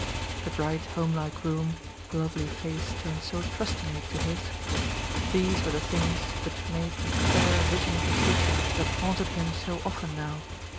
The bright home like room, the lovely face turned so trustingly to his; these were the things which made that fair vision of the future that haunted him so often now.